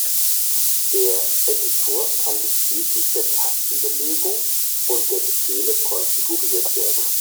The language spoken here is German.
Der Editor kann bezüglich der Tastenbelegung und der Befehle konfiguriert werden.